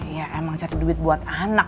ya emang cari duit buat anak